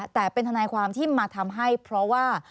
แต่เป็นทนายความที่มาทำให้เพราะว่า